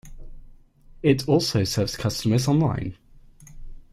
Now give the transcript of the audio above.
It also serves customers online.